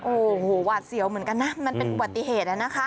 โอ้โหหวาดเสียวเหมือนกันนะมันเป็นอุบัติเหตุนะคะ